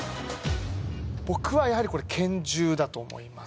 僕はやはりこれ、拳銃だと思います。